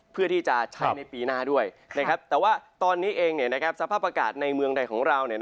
เพื่อที่จะใช้ในปีหน้าด้วยแต่ว่าตอนนี้เองสภาพอากาศในเมืองใดของเรา